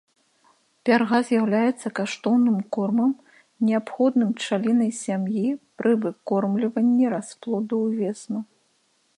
Пярга з'яўляецца каштоўным кормам, неабходным пчалінай сям'і пры выкормліванні расплоду увесну.